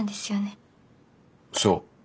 そう。